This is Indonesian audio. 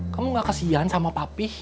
kamu gak kesian sama papi